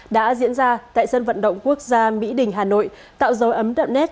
đã diễn ra tại sân vận động quốc gia mỹ đình hà nội tạo dấu ấn đậm nét